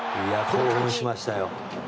興奮しました。